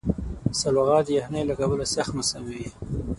سلواغه د یخنۍ له کبله سخت موسم لري.